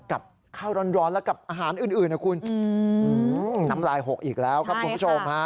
กับข้าวร้อนและกับอาหารอื่นนะคุณน้ำลายหกอีกแล้วครับคุณผู้ชมฮะ